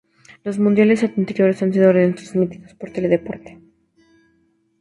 Los mundiales anteriores han sido retransmitidos por Teledeporte